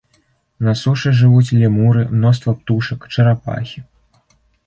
На сушы жывуць лемуры, мноства птушак, чарапахі.